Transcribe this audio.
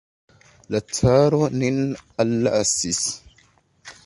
La caro nin allasis.